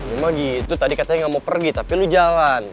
emang gitu tadi katanya nggak mau pergi tapi lu jalan